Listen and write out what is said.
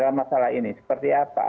dalam masalah ini seperti apa